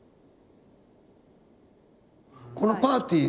このパーティー。